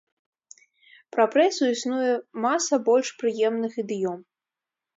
Пра прэсу існуе маса больш прыемных ідыём.